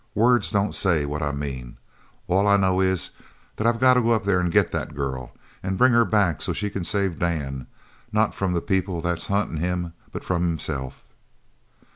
Words don't say what I mean. All I know is that I've got to go up there an' get that girl, and bring her back so's she can save Dan, not from the people that's huntin' him, but from himself."